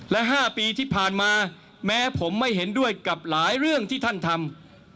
และ๕ปีที่ผ่านมาแม้ผมไม่เห็นด้วยกับหลายเรื่องที่ท่านทำ